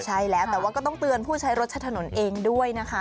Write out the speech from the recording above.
ใช่แล้วแต่ว่าก็ต้องเตือนผู้ใช้รถใช้ถนนเองด้วยนะคะ